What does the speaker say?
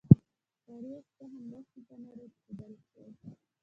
پاریس څخه مرستي ته نه رسېدلای سوای.